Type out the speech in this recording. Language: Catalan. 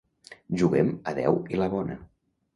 Juguem a deu i la bona.